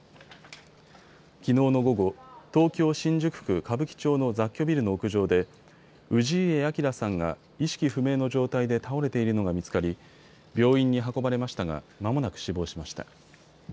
きのうの午後、東京新宿区歌舞伎町の雑居ビルの屋上で氏家彰さんが意識不明の状態で倒れているのが見つかり病院に運ばれましたがまもなく死亡しました。